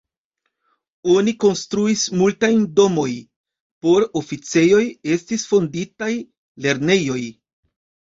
Oni konstruis multajn domoj por oficejoj, estis fonditaj lernejoj.